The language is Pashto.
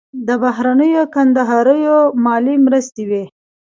د بهرنیو کندهاریو مالي مرستې وې.